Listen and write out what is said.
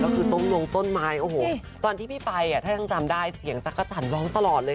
เราอยู่ตรงงงต้นไม้ตอนที่พี่เอ๊ะปายอย่างจำได้เสียงจักรมร้องตลอดเลย